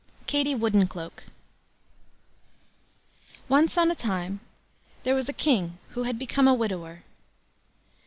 KATIE WOODENCLOAK Once on a time there was a King who had become a widower.